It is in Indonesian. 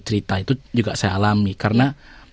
cerita itu juga saya alami karena